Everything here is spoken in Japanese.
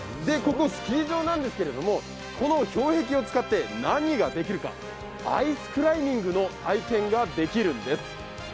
ここ、スキー場なんですけどもこの氷壁を使って何ができるかアイスクライミングの体験ができるんです。